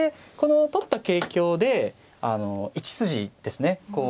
この取った桂香で１筋ですね。